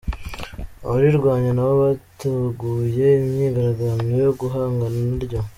Abarirwanya nabo bateguye imyigaragambyo yo guhangana naryo.